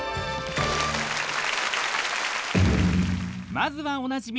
［まずはおなじみ